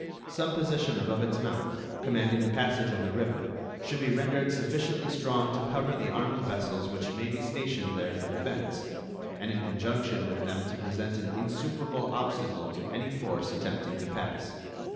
Some position above its mouth, commanding the passage of the river, should be rendered sufficiently strong to cover the armed vessels which may be stationed there for defense, and in conjunction with them to present an insuperable obstacle to any force attempting to pass.